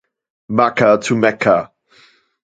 Macca to Mecca!